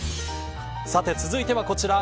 さて、続いてはこちら。